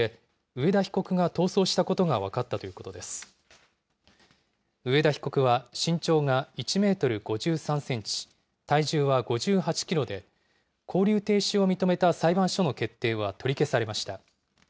上田被告は身長が１メートル５３センチ、体重は５８キロで、勾留停止を認めた裁判所の決定は取り消されました。